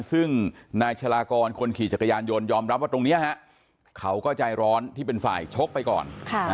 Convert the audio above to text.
ซึ่งนายชะลากรคนขี่จักรยานยนต์ยอมรับว่าตรงนี้เขาก็ใจร้อนที่เป็นฝ่ายชกไปก่อน